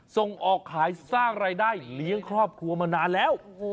ส่งออกขายสร้างรายได้เลี้ยงครอบครัวมานานแล้ว